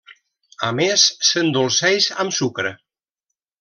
A més, s'endolceix amb sucre.